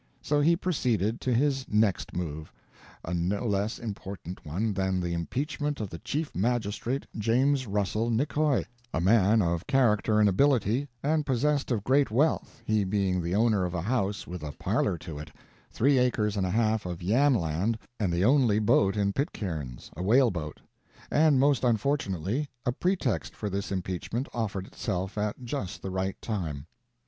So he proceeded to his next move a no less important one than the impeachment of the chief magistrate, James Russell Nickoy; a man of character and ability, and possessed of great wealth, he being the owner of a house with a parlor to it, three acres and a half of yam land, and the only boat in Pitcairn's, a whaleboat; and, most unfortunately, a pretext for this impeachment offered itself at just the right time.